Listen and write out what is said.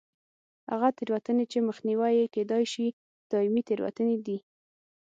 هغه تېروتنې چې مخنیوی یې کېدای شي دایمي تېروتنې دي.